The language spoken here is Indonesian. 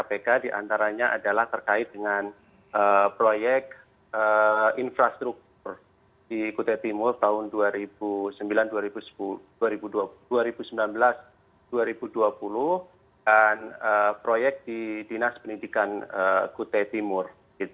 dua di antaranya adalah terkait dengan proyek infrastruktur di kutai timur tahun dua ribu sembilan belas dua ribu dua puluh dan proyek di dinas penidikan kutai timur